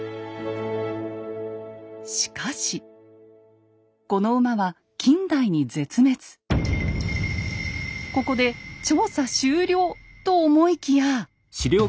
しかしこの馬は近代にここで調査終了と思いきや。